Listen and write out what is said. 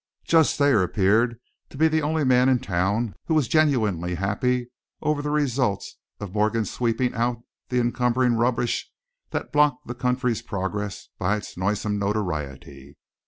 Judge Thayer appeared to be the only man in town who was genuinely happy over the result of Morgan's sweeping out the encumbering rubbish that blocked the country's progress by its noisome notoriety.